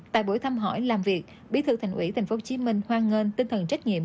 tại buổi thăm hỏi làm việc bí thư thành ủy tp hcm hoan nghênh tinh thần trách nhiệm